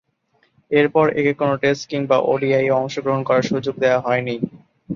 এরপর, তাকে কোন টেস্ট কিংবা ওডিআইয়ে অংশগ্রহণ করার সুযোগ দেয়া হয়নি।